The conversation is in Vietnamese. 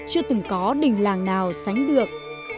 chưa từng có đình làng nào sánh được